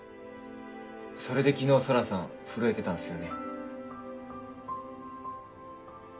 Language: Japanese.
それで昨日空さん震えてたんすよね？